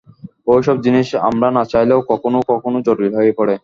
এই সব জিনিষ আমরা না চাইলেও কখনও কখনও জটিল হয়ে পড়ে।